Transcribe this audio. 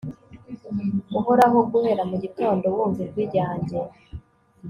uhoraho, guhera mu gitondo wumva ijwi ryanjye